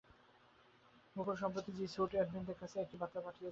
Google সম্প্রতি G Suite অ্যাডমিনদের কাছে একটি বার্তা পাঠিয়েছে।